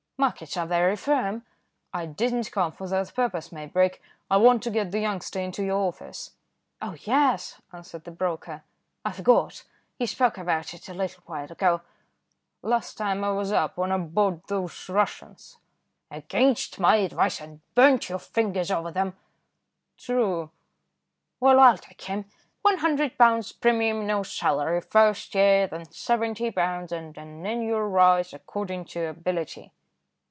"Markets are very firm." "I didn't come for that purpose, Maybrick; I want to get the youngster into your office." "Oh! yes," answered the broker, "I forgot; you spoke about it a little while ago." "Last time I was up, when I bought those 'Russians'!" "Against my advice, and burnt your fingers over them." "True." "Well, I'll take him. One hundred pounds premium, no salary first year, then seventy pounds and an annual rise according to ability."